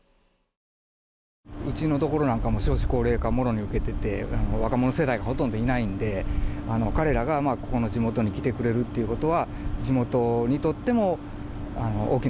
うちのところなんかも少子高齢化もろに受けてて若者世代がほとんどいないので彼らがここの地元に来てくれるっていう事は地元にとっても大きな力になりますし。